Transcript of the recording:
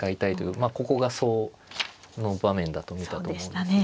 まあここがその場面だと見たと思うんですが。